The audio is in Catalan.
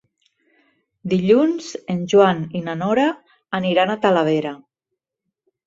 Dilluns en Joan i na Nora aniran a Talavera.